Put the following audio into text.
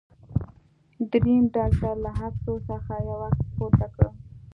دریم ډاکټر له عکسو څخه یو عکس ورته ورکړ.